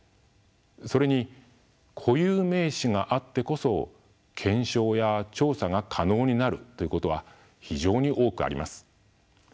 それに固有名詞があってこそ検証や調査が可能になるということは非常に多くあります。